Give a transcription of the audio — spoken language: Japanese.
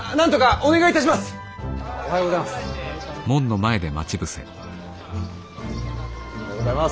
おはようございます。